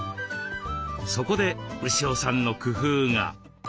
そこで牛尾さんの工夫が。